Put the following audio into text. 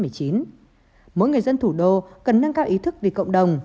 mỗi người dân thủ đô cần nâng cao ý thức vì cộng đồng